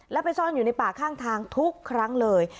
แล้วไปซ่อนอยู่ในป่าข้างทางทุกครั้งเลย